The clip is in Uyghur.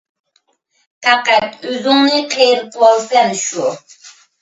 پەقەت ئۆزۈڭنى قېرىتىۋالىسەن شۇ!